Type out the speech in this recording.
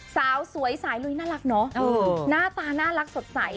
สาวสวยสายลุยน่ารักเนอะหน้าตาน่ารักสดใส